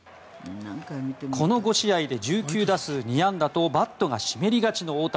この５試合で１９打数２安打とバットが湿りがちの大谷。